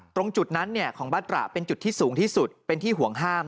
ตรงจุดนั้นของบัตระเป็นจุดที่สูงที่สุดเป็นที่ห่วงห้าม